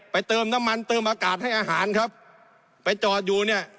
เติมน้ำมันเติมอากาศให้อาหารครับไปจอดอยู่เนี่ย